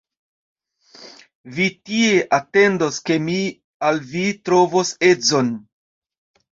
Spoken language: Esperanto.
Vi tie atendos, ke mi al vi trovos edzon.